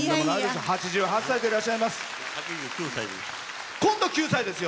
８８歳でいらっしゃいます。